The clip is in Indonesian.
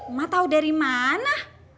emak tau dari mana